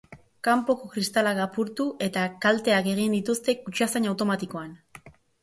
Kanpoko kristalak apurtu eta kalteak egin dituzte kutxazain automatikoan.